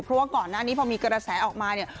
เพราะว่าก่อนหน้านี้พอมีกระแสออกมาเนี่ย